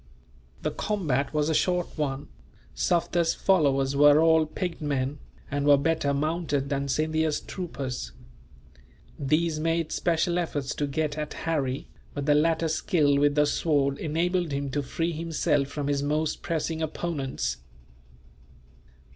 The combat was a short one. Sufder's followers were all picked men, and were better mounted than Scindia's troopers. These made special efforts to get at Harry, but the latter's skill with the sword enabled him to free himself from his most pressing opponents.